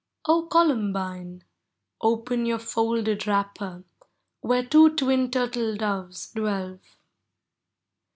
() Columbine! open your folded wrapper, Where two twin turtle doves dwell